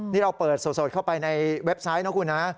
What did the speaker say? นี่เราเปิดสดเข้าไปในเว็บไซต์นะคุณนะ